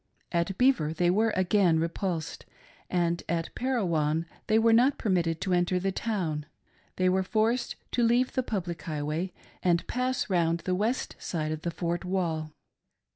At Beaver they were again repulsed, and at Parowan they were not' permitted to enter the town — they were forced to leave the public highway and pass round the west side of the fort wall.